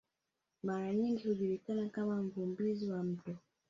mara nyingi hujulikana kama mvumbuzi wa mto